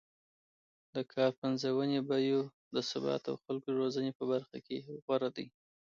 د کار پنځونې، بیو د ثبات او خلکو روزنې په برخه کې غوره دی